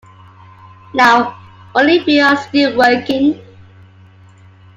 Now only a few are still working.